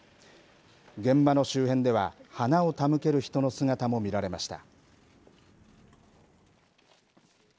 現場の周辺では花を手向ける人の姿も見られました。